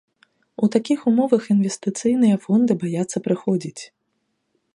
У такіх умовах інвестыцыйныя фонды баяцца прыходзіць.